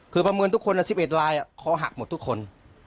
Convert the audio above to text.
คือประเมินทุกคน๑๑ลายคอหักหมดทุกคน